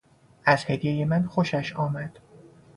از هدیهی من خوشش آمد.